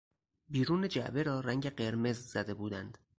بیرون جعبه را رنگ قرمز زده بودند.